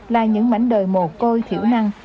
là những mảnh đời mồ côi thiểu năng